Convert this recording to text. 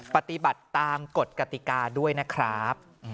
ปฏิบัติตามกฎกติกาด้วยนะครับ